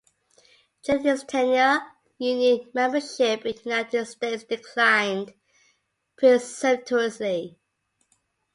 During his tenure, union membership in the United States declined precipitously.